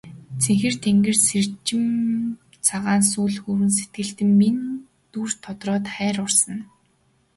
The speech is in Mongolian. Цэнхэр тэнгэрт сэмжин цагаан үүл хөврөн сэтгэлд чиний минь дүр тодроод хайр урсана.